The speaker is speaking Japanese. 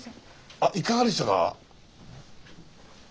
いかがでしたか？